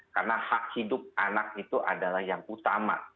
karena hak hidup anak itu adalah yang utama